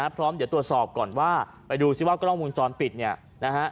พร้อมตัวสอบก่อนว่าไปดูซิว่ากล้องมูลจรปิดนะครับ